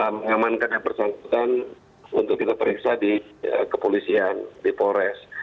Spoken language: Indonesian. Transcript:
mengamankan yang bersangkutan untuk kita periksa di kepolisian di polres